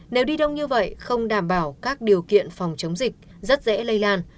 nếu đi đông như vậy không đảm bảo các điều kiện phòng chống dịch rất dễ lây lan